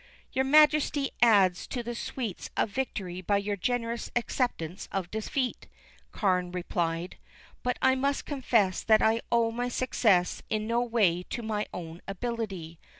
"Your Majesty adds to the sweets of victory by your generous acceptance of defeat," Carne replied "But I must confess that I owe my success in no way to my own ability.